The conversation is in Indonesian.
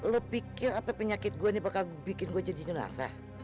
lo pikir apa penyakit gue nih bakal bikin gue jadi jenazah